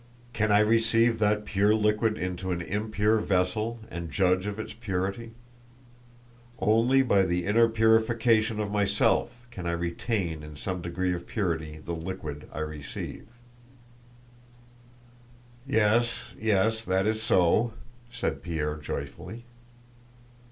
"Can I receive that pure liquid into an impure vessel and judge of its purity? Only by the inner purification of myself can I retain in some degree of purity the liquid I receive." "Yes, yes, that is so," said Pierre joyfully.